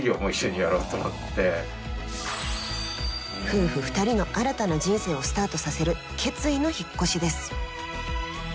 夫婦２人の新たな人生をスタートさせる決意の引っ越しです。